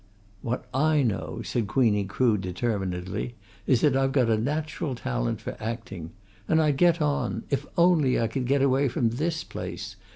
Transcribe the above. "What I know," said Queenie Crood determinedly, "is that I've got a natural talent for acting. And I'd get on if only I could get away from this place.